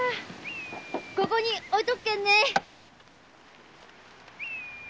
ここに置いとくけんね！